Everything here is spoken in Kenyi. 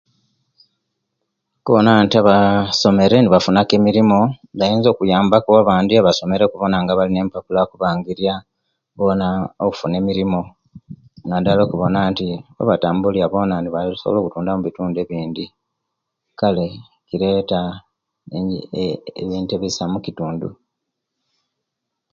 Kubona nti abasomere ne bafuna ku emirimu bayinza okuyamba ku abandi abasomere ku nga balina empapula okubaingiria bona okufuna emirimo nadala okuwona nti babatambulya bona nebasobola okutuka mubitundu ebindi kale bileta ebintu ebisa mukitundu